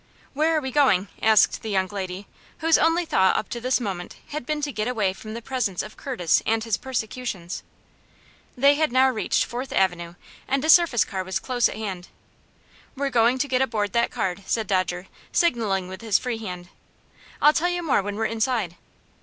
"Where are we going?" asked the young lady, whose only thought up to this moment had been to get away from the presence of Curtis and his persecutions. They had now reached Fourth Avenue, and a surface car was close at hand. "We're going to get aboard that car," said Dodger, signaling with his free hand. "I'll tell you more when we're inside."